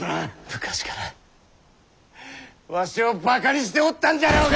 昔からわしをバカにしておったんじゃろうが！